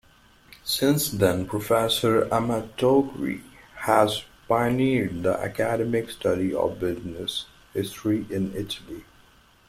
Since then, Professor Amatori has pioneered the academic study of business history in Italy.